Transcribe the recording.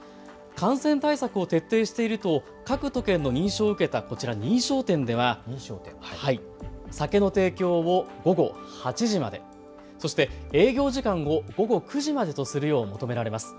感染対策を徹底していると各都県の認証を受けた、こちら認証店では酒の提供を午後８時まで、そして営業時間を午後９時までとするよう求められます。